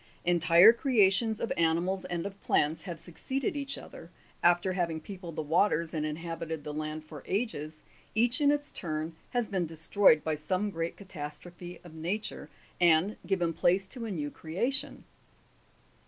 Entire creations of animals and of plants have suc ceeded each other ; after having peopled the waters and inhabited the land for ages, each in its turn has been destroyed by some great catastrophe of nature, and given place to a new creation.